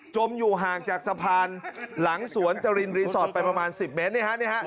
มอยู่ห่างจากสะพานหลังสวนจรินรีสอร์ทไปประมาณ๑๐เมตร